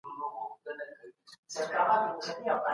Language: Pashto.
شونې ده چي موږ په خپلو کارونو کي ژر بريالي سو.